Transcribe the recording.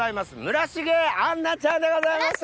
村重杏奈ちゃんでございます。